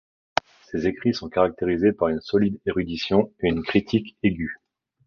Ses écrits sont caractérisés par une solide érudition et une critique aiguë.